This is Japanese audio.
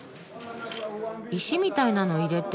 石みたいなの入れて。